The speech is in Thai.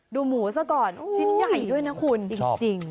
ดูหมูซะก่อนชิ้นใหญ่ด้วยนะคุณจริง